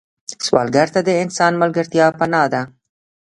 سوالګر ته د انسان ملګرتیا پناه ده